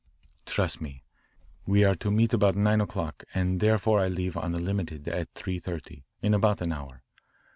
"Trust me. We are to meet about nine o'clock and therefore I leave on the limited at three thirty, in about an hour.